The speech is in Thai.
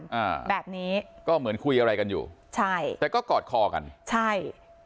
อ่าแบบนี้ก็เหมือนคุยอะไรกันอยู่ใช่แต่ก็กอดคอกันใช่